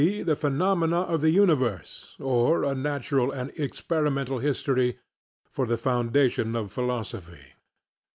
The Phenomena of the Universe; or a Natural and Experimental History for the foundation of Philosophy. 4.